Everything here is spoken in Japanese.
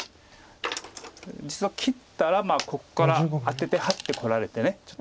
実は切ったらここからアテてハッてこられてちょっと。